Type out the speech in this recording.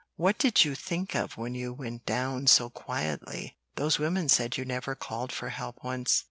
"What did you think of when you went down so quietly? Those women said you never called for help once."